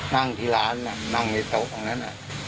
นั่งที่ร้านนั่งในโต๊ะตรงนั้น